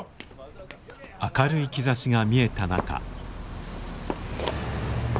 明るい兆しが見えた中。